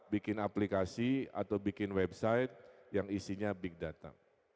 bikin aplikasi atau bikin website yang isinya big data